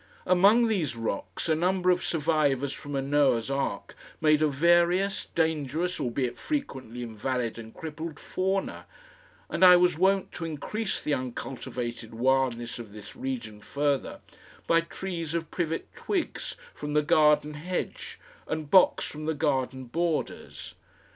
Among these rocks a number of survivors from a Noah's Ark made a various, dangerous, albeit frequently invalid and crippled fauna, and I was wont to increase the uncultivated wildness of this region further by trees of privet twigs from the garden hedge and box from the garden borders.